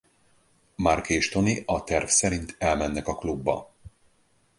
Mark és Tony a terv szerint elmennek a klubba.